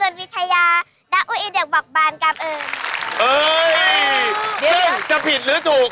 เออดีหรือเปล่าซึ่งจะผิดหรือถูก